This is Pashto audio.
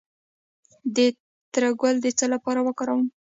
د تره ګل د څه لپاره وکاروم؟